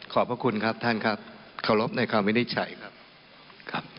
ขอบพระคุณครับท่านครับเคารพในคำวินิจฉัยครับครับ